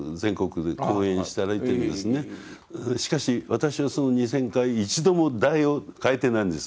しかし私のその２，０００回一度も題を変えてないんです。